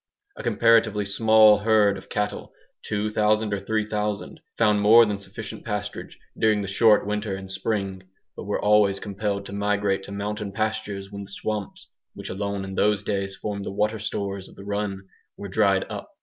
A comparatively small herd of cattle, 2000 or 3000, found more than sufficient pasturage during the short winter and spring, but were always compelled to migrate to mountain pastures when the swamps, which alone in those days formed the water stores of the run, were dried up.